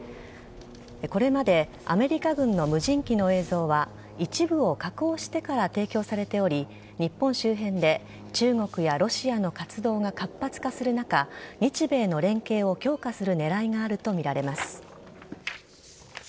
これまでアメリカ軍の無人機の映像は一部を加工してから提供されており日本周辺で中国やロシアの活動が活発化する中日米の連携を強化する狙いがあるとみられます。